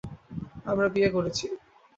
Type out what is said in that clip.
আমরা বিয়ে করেছি।